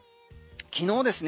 昨日ですね